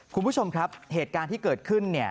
คุณผู้ชมครับเหตุการณ์ที่เกิดขึ้นเนี่ย